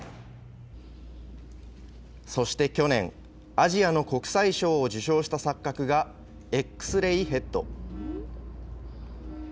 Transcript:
そして去年、アジアの国際賞を受賞した錯覚が、ＸＲＡＹＨＥＡＤ。